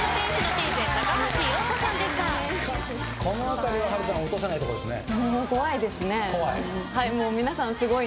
この辺りは波瑠さん落とせないとこですね。